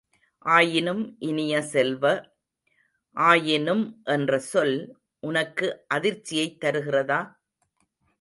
ஆயினும் இனிய செல்வ, ஆயினும் என்ற சொல் உனக்கு அதிர்ச்சியைத் தருகிறதா?